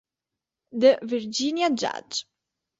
The Virginia Judge